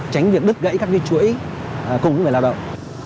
tránh việc đứt gãy các cái chuỗi cùng với người lao động